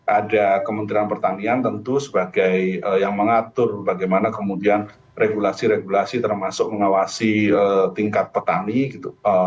ada kementerian pertanian tentu sebagai yang mengatur bagaimana kemudian regulasi regulasi termasuk mengawasi tingkat petani gitu